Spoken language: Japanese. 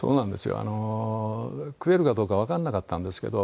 あの食えるかどうかわかんなかったんですけど